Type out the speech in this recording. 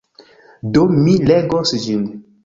Do mi legos ĝin.